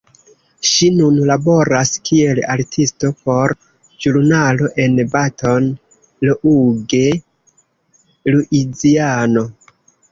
Ŝi nun laboras kiel artisto por ĵurnalo en Baton Rouge, Luiziano.